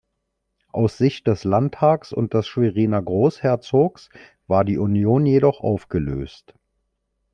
Aus Sicht des Landtags und des Schweriner Großherzogs war die Union jedoch aufgelöst.